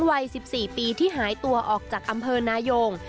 วัย๑๔ปีที่หายตัวออกจากอำเภอนายง